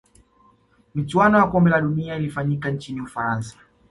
michuano ya kombe la dunia ilifanyika nchini ufaransa